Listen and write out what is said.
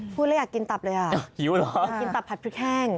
พูดแล้วอยากกินตับเลยอ่ะหิวเหรออยากกินตับผัดพริกแห้ง